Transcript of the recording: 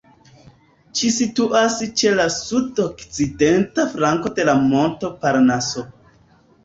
Ĝi situas ĉe la sud-okcidenta flanko de la monto Parnaso.